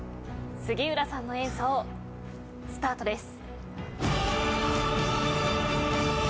杉浦さんの演奏スタートです。